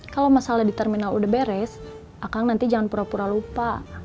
kalau misalnya di terminal udah beres akang nanti jangan pura pura lupa